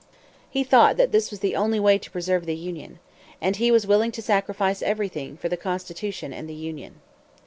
He thought that this was the only way to preserve the Union. And he was willing to sacrifice everything for the Constitution and the Union.